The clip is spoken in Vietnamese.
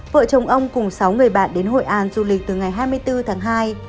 vợ chồng ông cùng sáu người bạn đến hội an du lịch từ ngày hai mươi bốn tháng hai